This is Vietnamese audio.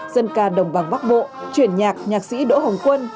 dân ca đồng bằng bắc bộ chuyển nhạc nhạc sĩ đỗ hồng quân